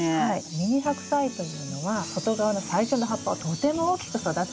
ミニハクサイというのは外側の最初の葉っぱはとても大きく育つんです。